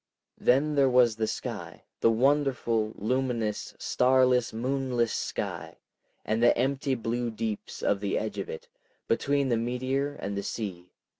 Then there was the sky, the wonderful, luminous, starless, moonless sky, and the empty blue deeps of the edge of it, between the meteor and the sea.